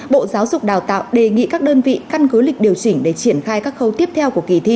bộ giáo dục đào tạo đề nghị các đơn vị căn cứ lịch điều chỉnh để triển khai các khâu tiếp theo của kỳ thi